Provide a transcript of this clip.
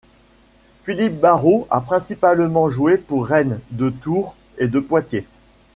Philippe Barraud a principalement joué pour Rennes, de Tours et de Poitiers.